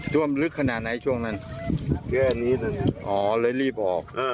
ท่วมลึกขนาดไหนช่วงนั้นแค่นี้อ๋อเลยรีบออกเออ